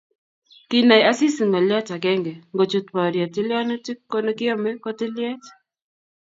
Kinai Asisi ngolyot agenge, ngochut boriet tilyanutik konekiomee ko tilyet